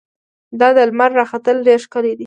دا د لمر راختل ډېر ښکلی دي.